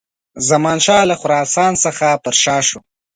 زمانشاه له خراسان څخه پر شا سو.